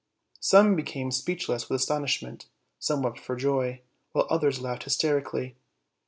Some be came speechless with astonishment, some wept for joy, while others laughed hysterically.